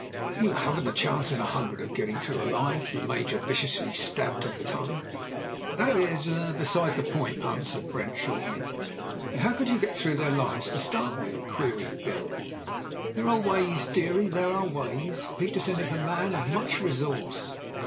"You haven't one chance in a hundred of getting through alive." The Major viciously stabbed a tongue. "That is — er — beside the point," answered Brent, shortly. "But how could you get through their lines to start with?" queried Bill. "There are ways, dearie, there are ways. Petersen is a man of much resource."